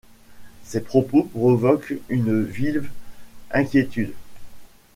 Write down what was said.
Ces propos provoquent une vive inquiétude.